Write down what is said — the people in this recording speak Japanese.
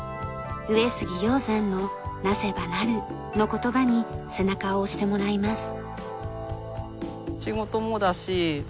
上杉鷹山の「なせば成る」の言葉に背中を押してもらいます。